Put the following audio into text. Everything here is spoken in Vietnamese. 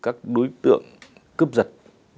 các đối tượng cướp giật